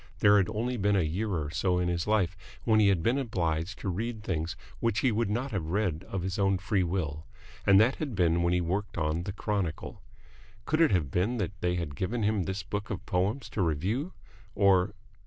There had only been a year or so in his life when he had been obliged to read things which he would not have read of his own free will, and that had been when he worked on the Chronicle. Could it have been that they had given him this book of poems to review? Or